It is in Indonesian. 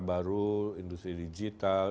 baru industri digital